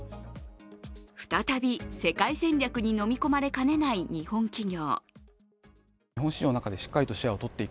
再び世界戦略に飲み込みかねない日本企業。